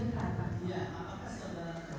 dan saudara memuji